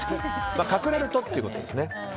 隠れるとってことですね。